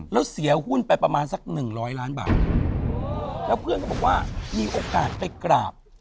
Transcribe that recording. แล้วเสียหุ้นไปประมาณสักหนึ่งร้อยล้านบาทแล้วเพื่อนก็บอกว่ามีโอกาสไปกราบ